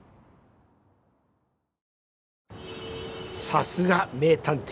さすが名探偵。